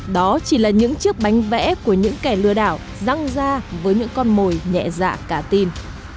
đó chỉ là những chiếc bánh vẽ của những kẻ lừa đảo răng ra với những con mồi nhẹ dạ cả tin